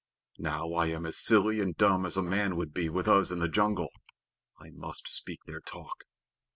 Now I am as silly and dumb as a man would be with us in the jungle. I must speak their talk."